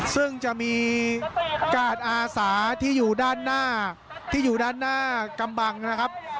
ซึ่งจะมีกาดอาสาที่อยู่ด้านหน้าที่อยู่ด้านหน้ากำบังนะครับ